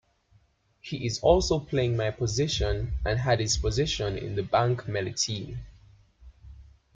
He is also playing my position and Hadi's position in the Bank Melli team.